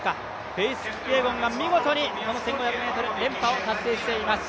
フェイス・キピエゴンが見事にこの１５００ｍ連覇を達成しています。